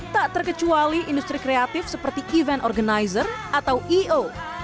tak terkecuali industri kreatif seperti event organizer atau eo